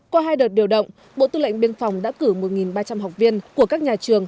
qua hai đợt điều động bộ tư lệnh biên phòng đã cử một ba trăm linh học viên của các nhà trường